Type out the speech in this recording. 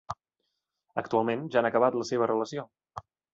Actualment, ja han acabat la seva relació.